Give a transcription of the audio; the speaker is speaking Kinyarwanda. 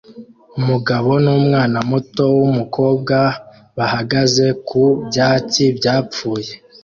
Umugabo n'umwana muto w'umukobwa bahagaze ku byatsi byapfuye